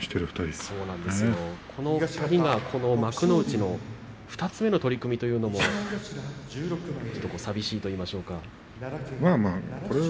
その２人が幕内２つ目の取組というのも寂しいといいますか。